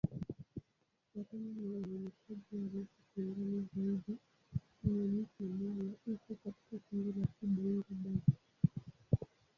Kufuatana na uainishaji wa lugha kwa ndani zaidi, Kinyamusa-Molo iko katika kundi la Kibongo-Bagirmi.